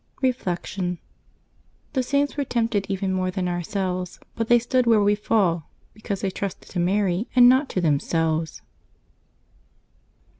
Reflection. — The Saints were tempted even more than ourselves; but they stood where we fall, because they trusted to Mary, and not to themselves.